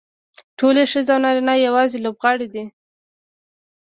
ټولې ښځې او نارینه یوازې لوبغاړي دي.